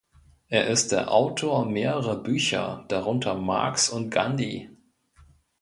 Er ist der Autor mehrerer Bücher, darunter "Marx und Gandhi".